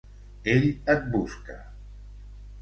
Ell et busca.